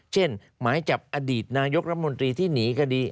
หมายจับอดีตนายกรัฐมนตรีที่หนีคดี